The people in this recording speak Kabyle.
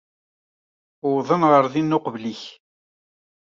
Uwḍen ɣer din uqbel-ik.